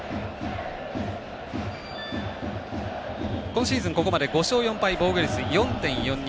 今シーズン、ここまで５勝４敗防御率４．４２。